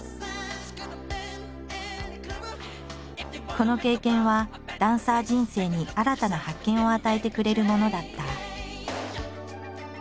この経験はダンサー人生に新たな発見を与えてくれるものだった。